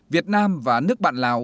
việt nam và nước bạn lào